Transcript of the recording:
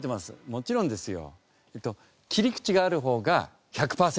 もちろんですよ。